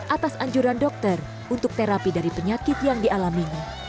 atas anjuran dokter untuk terapi dari penyakit yang dialaminya